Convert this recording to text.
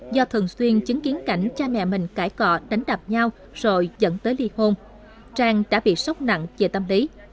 do thường xuyên chứng kiến cảnh cha mẹ mình cải cọ đánh đập nhau rồi dẫn tới ly hôn trang đã bị sốc nặng về tâm lý